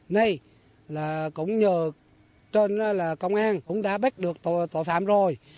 này là cũng nhờ trên là công an cũng đã bắt được tội phạm rồi